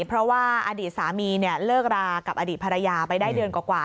เพราะว่าอดีตสามีเนี่ยเลิกรากับอดีตภรรยาไปได้เดือนกว่า